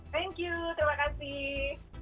thank you terima kasih